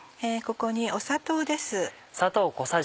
ここに砂糖です。